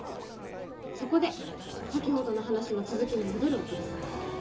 そこで先ほどの話の続きに戻るわけです。